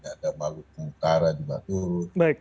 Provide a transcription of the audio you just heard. ada maluku utara juga turun